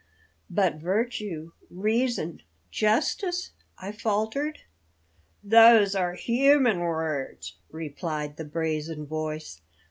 "But Virtue, Reason, Justice!" I faltered. "Those are human words," replied the brazen voice.